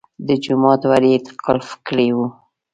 د جومات ور یې قلف کړی و.